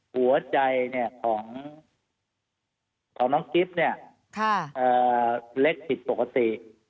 หัวใจของน้องกิ๊บเนี่ยเล็กผิดปกติ